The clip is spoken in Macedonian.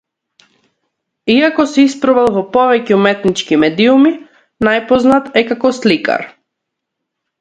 Иако се испробал во повеќе уметнички медиуми, најпознат е како сликар.